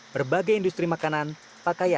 berbagai industri makanan pakaian